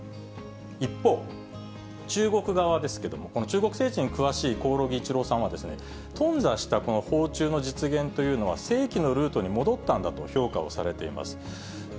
一方、中国側ですけども、中国政治に詳しい興梠一郎さんは、とんざしたこの訪中の実現というのは、正規のルートに戻ったんだと評価をされています。